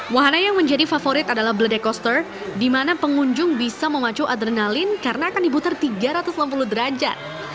wahana yang menjadi favorit adalah bledekoster di mana pengunjung bisa memacu adrenalin karena akan dibutar tiga ratus enam puluh derajat